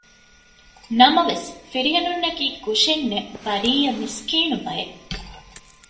ނަމަވެސް ފިރިހެނުންނަކީ ކުށެއްނެތް ބަރީއަ މިސްކީނު ބަޔެއް